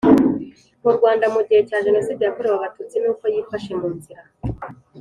mu rwanda mu gihe cya jenoside yakorewe abatutsi n’uko yifashe mu nzira…